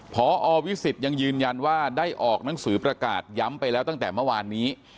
พอวิสิตยังยืนยันว่าได้ออกหนังสือประกาศย้ำไปแล้วตั้งแต่เมื่อวานนี้